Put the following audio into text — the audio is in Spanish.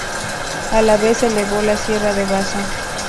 A la vez elevó la Sierra de Baza.